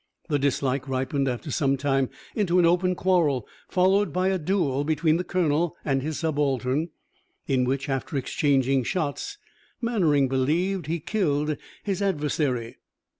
The dislike ripened after some time into an open quarrel, followed by a duel between the colonel and his subaltern, in which, after exchanging shots, Mannering believed he killed his adversary.